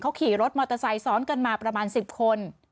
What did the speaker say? เขาขี่รถมอเตอร์ไซค์ซ้อนกันมาประมาณ๑๐คน